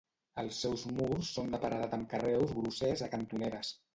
Els seus murs són de paredat amb carreus grossers a cantoneres.